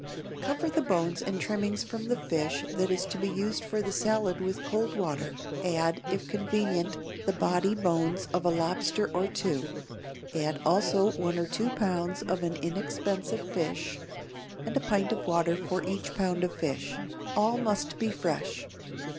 _) Cover the bones and trimmings from the fish that is to be used for the salad with cold water; add, if convenient, the body bones of a lobster or two. Add also one or two pounds of an inexpensive fish, and a pint of water for each pound of fish. All must be fresh.